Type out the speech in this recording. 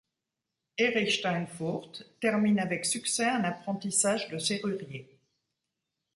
Erich Steinfurth termine avec succès un apprentissage de serrurier.